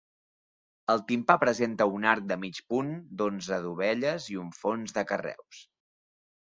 El timpà presenta un arc de mig punt, d'onze dovelles, i un fons de carreus.